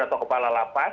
atau kepala lapas